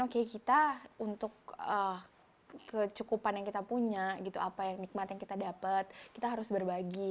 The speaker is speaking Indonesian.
oke kita untuk kecukupan yang kita punya gitu apa yang nikmat yang kita dapat kita harus berbagi